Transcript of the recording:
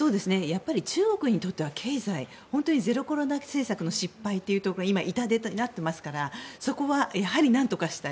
中国にとっては経済ゼロコロナ政策の失敗というのが今、痛手になっていますからそこはなんとかしたい。